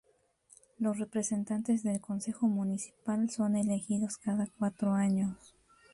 Los representantes del concejo municipal son elegidos cada cuatro años.